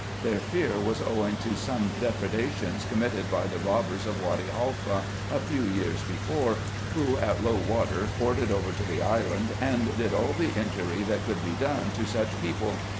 Their fear was owing to some depredations com mitted by the robbers of Wady Haifa a few years before, who, at low water, forded over to the island, and did all the injury that could be done to such people.